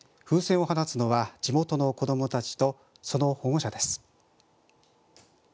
風船を放つのは地元の子どもたちとその保護者です。